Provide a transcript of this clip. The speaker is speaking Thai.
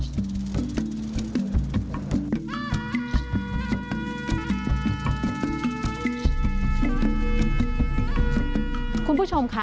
วัดไล่แตงทองจังหวัดนครปฐม